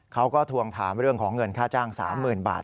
ทวงถามเรื่องของเงินค่าจ้าง๓๐๐๐บาท